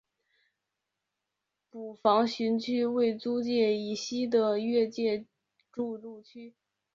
捕房巡区为租界以西的越界筑路区。